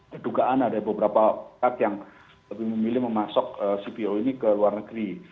kedukaan ada beberapa pihak yang lebih memilih memasok cpo ini ke luar negeri